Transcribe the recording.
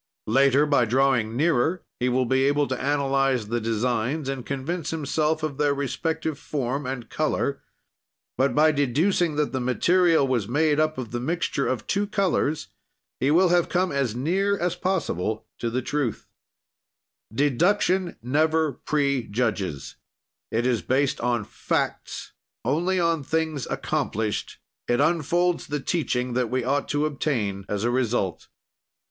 "Later, by drawing nearer, he will be able to analyze the designs and to convince himself of their respective form and color, but by deducing that the material was made up of the mixture of two colors he will have come as near as possible to the truth: "Deduction never prejudges; it is based on facts; only on things accomplished; it unfolds the teaching that we ought to obtain as a result."